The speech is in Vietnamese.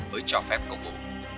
với cho phép công vụ